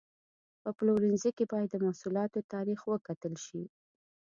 په پلورنځي کې باید د محصولاتو تاریخ وکتل شي.